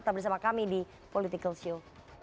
tetap bersama kami di political show